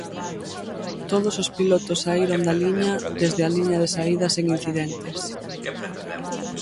Todos os pilotos saíron da liña desde a liña de saída sen incidentes.